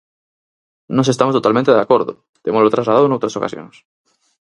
Nós estamos totalmente de acordo, témolo trasladado noutras ocasións.